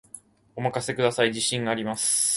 お任せください、自信があります